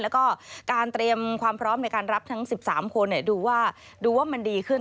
แล้วก็การเตรียมความพร้อมในการรับทั้ง๑๓คนดูว่ามันดีขึ้น